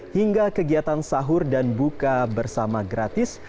hingga kegiatan sahur dan buka bersama gratis